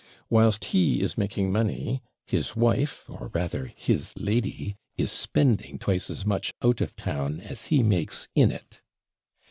Whilst he is making money, his wife, or rather his lady, is spending twice as much out of town as he makes in it.